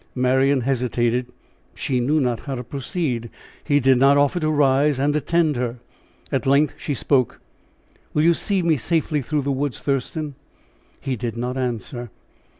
Marian hesitated; she knew not how to proceed. He did not offer to rise and attend her. At length she spoke. "Will you see me safely through the woods, Thurston?" He did not answer.